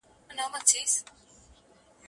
له اورنګه تر فرنګه دا د هر پردي انجام دی